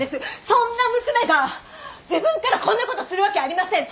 そんな娘が自分からこんなことするわけありません！